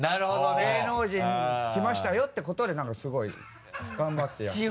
芸能人来ましたよってことでなんかすごい頑張ってやってる。